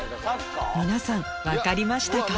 皆さん分かりましたか？